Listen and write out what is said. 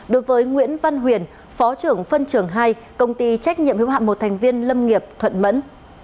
đối với nguyễn văn huyền phó trưởng phân trường hai công ty trách nhiệm hữu hạm một thành viên lâm nghiệp thuận mẫn